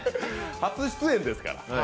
初出演ですから。